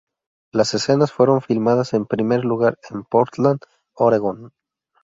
Las escenas fueron filmadas en primer lugar en Portland, Oregón.